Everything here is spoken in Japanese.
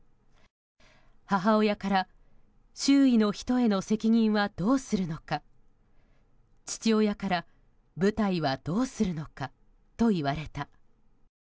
母親から周囲の人への責任はどうするのか父親から舞台はどうするのかと言われた。